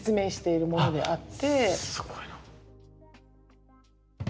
すごいな。